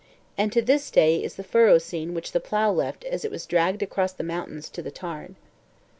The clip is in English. And to this day is the furrow seen which the plough left as it was dragged across the mountains to the tarn.